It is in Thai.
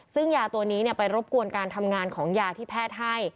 ซึ่งยาตัวนี้ไปรบกวนการทำงานของยาที่แพทย์ให้